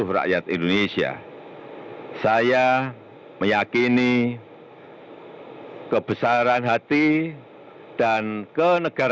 dan membangun indonesia yang unggul yang membawa kesejahteraan bagi negara